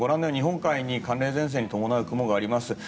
日本海に寒冷前線に伴う雲があります。